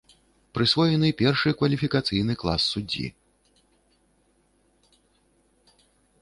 Прысвоены першы кваліфікацыйны клас суддзі.